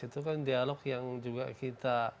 itu kan dialog yang juga kita